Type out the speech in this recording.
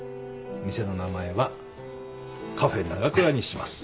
店の名前はカフェナガクラにします。